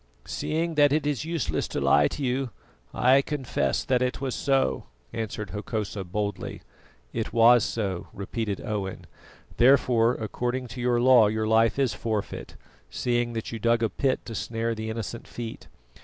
"Seeing that it is useless to lie to you, I confess that it was so," answered Hokosa boldly. "It was so," repeated Owen; "therefore, according to your law your life is forfeit, seeing that you dug a pit to snare the innocent feet.